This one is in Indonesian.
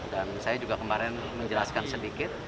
dan saya juga kemarin menjelaskan sedikit